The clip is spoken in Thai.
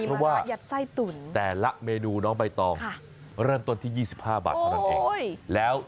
เพราะว่าแต่ละเมนูน้องใบตองเริ่มต้นที่๒๕บาทเท่านั้นเอง